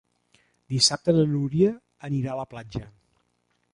Dissabte na Núria anirà a la platja.